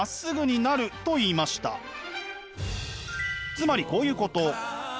つまりこういうこと。